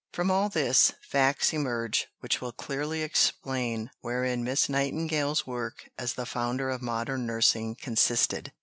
From all this, facts emerge which will clearly explain wherein Miss Nightingale's work as the founder of modern nursing consisted.